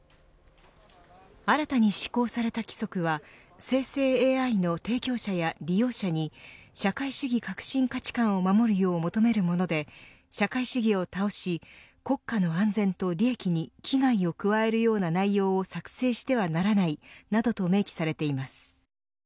新たに施行された規則は生成ＡＩの提供者や利用者に社会主義核心価値観を守るよう求めるもので社会主義を倒し国家の安全と利益に危害を加えるような内容を作成してはならないなどと明記されています。